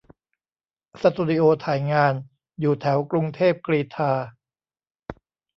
สตูดิโอถ่ายงานอยู่แถวกรุงเทพกรีฑา